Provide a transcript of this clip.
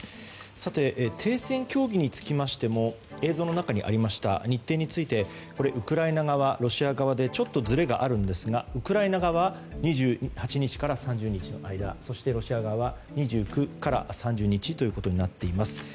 停戦協議につきましても映像の中にありました日程についてウクライナ側、ロシア側でちょっとずれがあるんですがウクライナ側は２８日から３０日の間そしてロシア側は２９から３０日ということになっています。